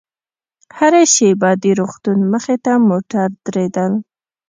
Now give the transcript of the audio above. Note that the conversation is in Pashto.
هره شېبه د روغتون مخې ته موټر درېدل.